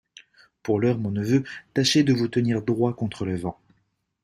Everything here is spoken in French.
Pour l'heure, mon neveu, tâchez de vous tenir droit contre le vent.